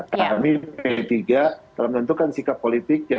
kami pdip juga telah menentukan sikap politiknya